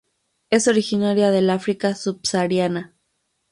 Es originario del África subsahariana.